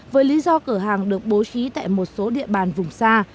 với lý do cửa hàng được bố trí tại một số địa bàn vùng xa